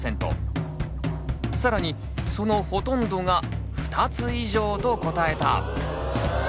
更にそのほとんどが「２つ以上」と答えた。